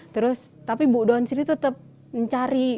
terus tapi bu don sri tetap mencari